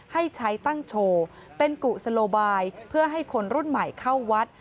ให้ใช้ตั้งโชว์เป็นกุศโลบายเพื่อให้คนรุ่นใหม่เข้าวัด